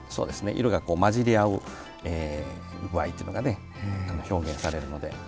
色が交じり合う具合というのが表現されるので。